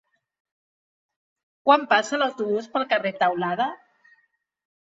Quan passa l'autobús pel carrer Teulada?